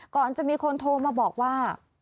ก่อนจะมีคนโทรมาบอกว่า